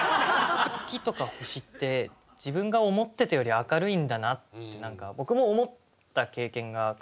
月とか星って自分が思ってたより明るいんだなって何か僕も思った経験が過去にあるんで。